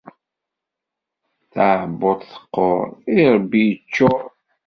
Taεebbuḍt teqqur, irebbi yeččur.